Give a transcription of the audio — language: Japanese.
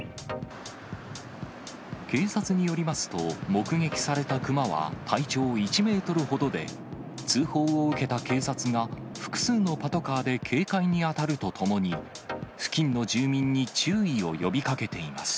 警察によりますと、目撃された熊は体長１メートルほどで、通報を受けた警察が、複数のパトカーで警戒に当たるとともに、付近の住民に注意を呼びかけています。